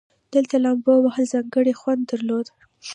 دلته لومبو وهل ځانګړى خوند درلودو.